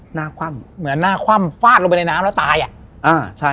คว่ำเหมือนหน้าคว่ำฟาดลงไปในน้ำแล้วตายอ่ะอ่าใช่